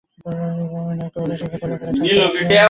বিনয় কহিল, শিক্ষিত লোকেরা ছাড়াতে পারলেই বা তাতে কী!